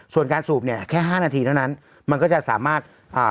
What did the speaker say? ส่วนการสูบเนี่ยแค่ห้านาทีเท่านั้นมันก็จะสามารถอ่า